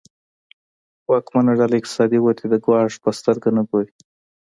واکمنه ډله اقتصادي ودې ته ګواښ په سترګه نه ګوري.